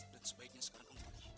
dan sebaiknya sekarang upi pergi